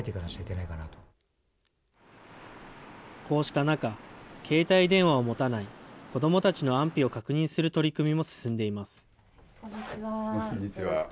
こうした中、携帯電話を持たない子どもたちの安否を確認する取り組みも進んでこんにちは。